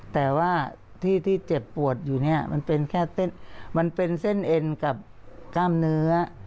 แต่ว่าที่ที่เจ็บปวดอยู่เนี่ยมันเป็นแค่มันเป็นเส้นเอ็นกับกล้ามเนื้อ